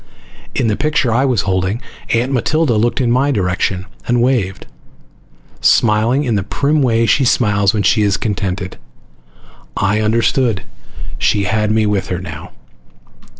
In the picture I was holding, Aunt Matilda looked in my direction and waved, smiling in the prim way she smiles when she is contented. I understood. She had me with her now.